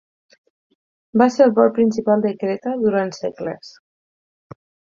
Va ser el port principal de Creta durant segles.